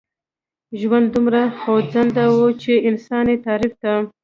ژوند دومره خوځنده و چې انسان يې تعريف ته.